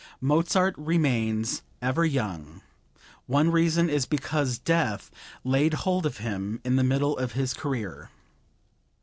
Mozart remains ever young; one reason is because death laid hold of him in the middle of his career.